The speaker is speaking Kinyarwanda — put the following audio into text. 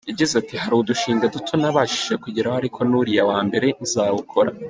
Yagize ati: “Hari udushinga duto nabashije kugeraho ariko n’uriya wa mbere nzawukora.